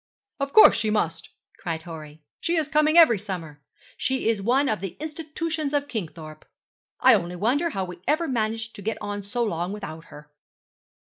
'Of course she must,' cried Horry. 'She is coming every summer. She is one of the institutions of Kingthorpe. I only wonder how we ever managed to get on so long without her.'